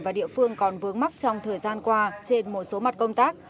và địa phương còn vướng mắt trong thời gian qua trên một số mặt công tác